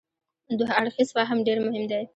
دوه اړخیز فهم ډېر مهم دی.